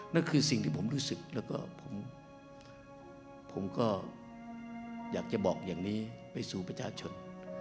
นั่นคือสิ่งที่ผมรู้สึกแล้วก็ผมก็อยากจะบอกอย่างนี้ไปสู่ประชาชน